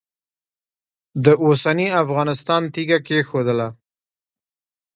د اوسني افغانستان تیږه کښېښودله.